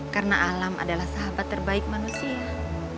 karena alam adalah sahabat terbaik manusia